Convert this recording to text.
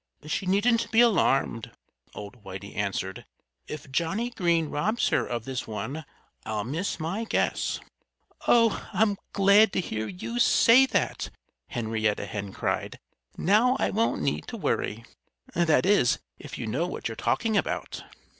"She needn't be alarmed," old Whitey answered. "If Johnnie Green robs her of this one, I'll miss my guess." "Oh! I'm glad to hear you say that!" Henrietta Hen cried. "Now I won't need to worry that is, if you know what you're talking about."